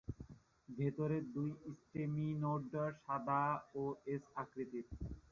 ভেতরের দুটি স্টেমিনোড সাদা ও এস-আকৃতির।